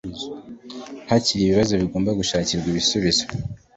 hakiri ibibazo bigomba gushakirwa ibisubizo